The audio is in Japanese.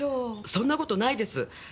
そんなことないです